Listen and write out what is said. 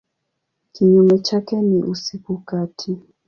Kinyume chake ni usiku kati.